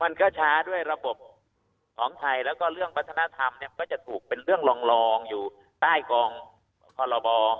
มันก็ช้าด้วยระบบของไทยแล้วก็เรื่องวัฒนธรรมเนี่ยก็จะถูกเป็นเรื่องรองอยู่ใต้กองพรบ